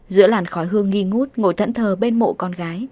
giữa làn khói hương nghi ngút ngồi thẫn thờ bên mộ con gái